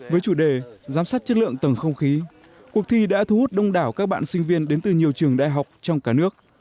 với chủ đề giám sát chất lượng tầng không khí cuộc thi đã thu hút đông đảo các bạn sinh viên đến từ nhiều trường đại học trong cả nước